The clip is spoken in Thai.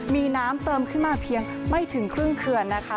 มีน้ำเติมขึ้นมาเพียงไม่ถึงครึ่งเขื่อนนะคะ